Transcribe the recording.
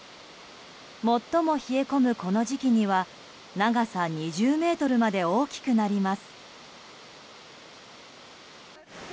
最も冷え込むこの時期には長さ２０ｍまで大きくなります。